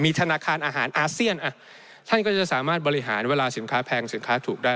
ธนาคารอาหารอาเซียนท่านก็จะสามารถบริหารเวลาสินค้าแพงสินค้าถูกได้